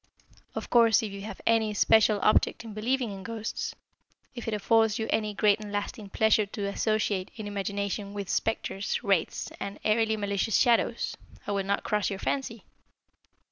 Of course, if you have any especial object in believing in ghosts if it affords you any great and lasting pleasure to associate, in imagination, with spectres, wraiths, and airily malicious shadows, I will not cross your fancy.